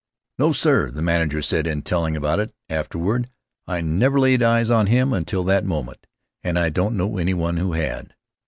"No, sir," the manager said, in telling about it after ward, "I never laid eyes on him until that moment, and I don't know anyone who had.